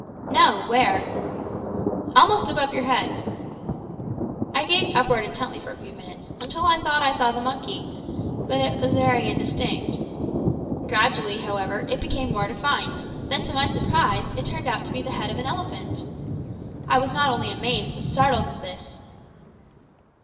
"No; where?" "Almost above your head." I gazed upward intently for a few minutes, until I thought I saw the monkey, but it was very indistinct. Gradually, however, it became more defined; then to my surprise it turned out to be the head of an elephant! I was not only amazed but startled at this.